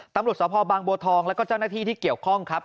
ตำรวจสภบางบัวทองแล้วก็เจ้าหน้าที่ที่เกี่ยวข้องครับ